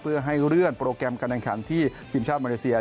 เพื่อให้เลื่อนโปรแกรมการแข่งขันที่ทีมชาติมาเลเซีย